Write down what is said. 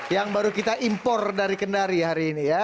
yang baru kita impor dari kendari hari ini ya